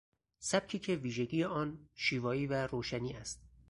سبکی که ویژگی آن شیوایی و روشنی است.